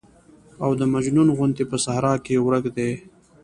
او د مجنون غوندې په صحرا کې ورک دى.